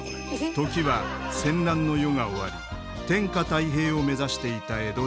時は戦乱の世が終わり天下太平を目指していた江戸時代。